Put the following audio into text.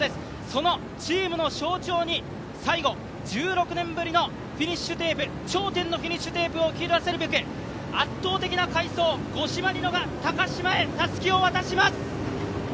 そのチームの象徴に最後、１６年ぶりのフィニッシュテープ、頂点のフィニッシュテープを切らせるべく圧倒的な快走、五島莉乃が高島へたすきを渡します。